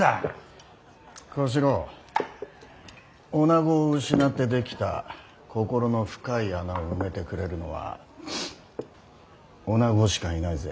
女子を失って出来た心の深い穴を埋めてくれるのは女子しかいないぜ。